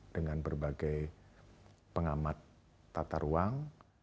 dengan berbagai pengamat tata ruang